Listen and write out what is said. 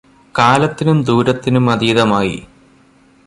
കാലത്തിനും ദൂരത്തിനും അതീതമായി